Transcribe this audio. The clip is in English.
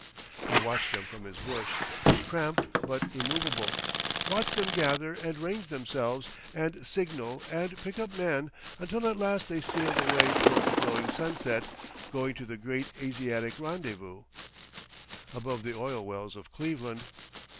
He watched them from his bush, cramped but immovable, watched them gather and range themselves and signal and pick up men, until at last they sailed away towards the glowing sunset, going to the great Asiatic rendez vous, above the oil wells of Cleveland.